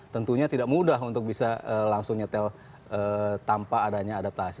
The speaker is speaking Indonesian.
tentunya tidak mudah untuk bisa langsung nyetel tanpa adanya adaptasi